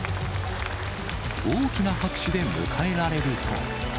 大きな拍手で迎えられると。